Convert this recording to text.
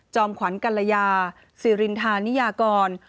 ขวัญกัลยาสิรินทานิยากร